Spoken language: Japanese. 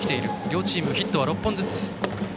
両チーム、ヒットは６本ずつ。